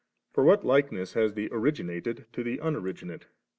For what likeness has the originated to the unoriginate